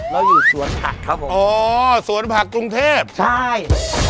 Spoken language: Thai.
เราอยู่สวนผักครับผมอ๋อสวนผักกรุงเทพใช่